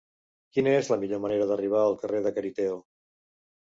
Quina és la millor manera d'arribar al carrer de Cariteo?